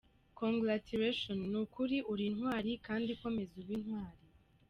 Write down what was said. congulatularation , nukuri uri intwari kandi komeza ube intwari.